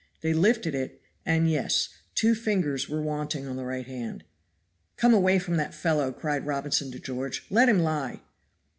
They lifted it, and yes two fingers were wanting on the right hand. "Come away from that fellow," cried Robinson to George. "Let him lie."